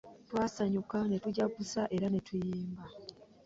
Twasanyuka ne tujaguza era ne tuyimba